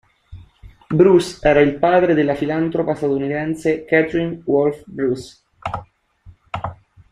Bruce era il padre della filantropa statunitense Catherine Wolfe Bruce.